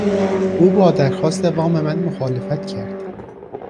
او با درخواست وام من مخالفت کرد.